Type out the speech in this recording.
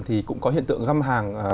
thì cũng có hiện tượng găm hàng